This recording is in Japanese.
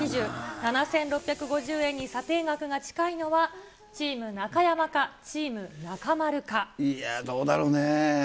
７６５０円に査定額が近いのは、チーム中山か、いやー、どうだろうね。